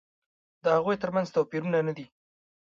د هغوی تر منځ توپیرونه نه دي.